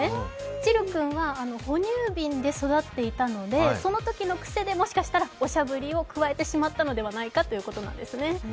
チル君は哺乳瓶で育っていたのでそのときの癖でもしかしたらおしゃぶりをくわえてしまったのではないかということです。